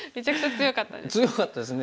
強かったですね。